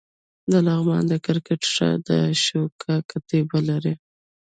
د لغمان د کرکټ ښار د اشوکا کتیبه لري